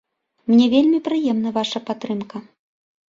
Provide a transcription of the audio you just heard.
Мне вельмі прыемна ваша падтрымка.